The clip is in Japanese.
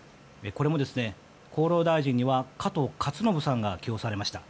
これも、厚労大臣には加藤勝信さんが起用されました。